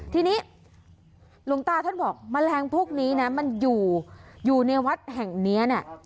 ทีนี้หลวงตาท่านบอกแมลงพวกนี้นะมันอยู่ในวัดแห่งนี้เนี่ย